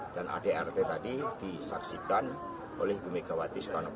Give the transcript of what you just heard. dan adrt tadi disaksikan oleh bumegawati soekarno kutub